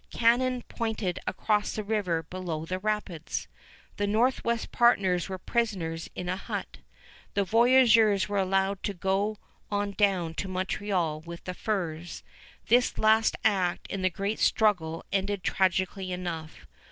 Cannon pointed across the river below the rapids. The Northwest partners were prisoners in a hut. The voyageurs were allowed to go on down to Montreal with the furs. This last act in the great struggle ended tragically enough.